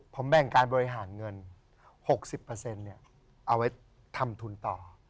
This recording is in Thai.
ผมแบ่งการบริหารเงิน๖๐เอาไว้ทำทุนต่อ